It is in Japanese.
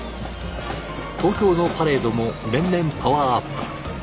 東京のパレードも年々パワーアップ。